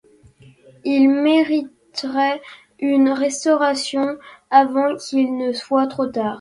Ils mériteraient une restauration avant qu'il ne soit trop tard...